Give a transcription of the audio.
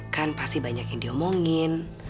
kan pasti banyak yang diomongin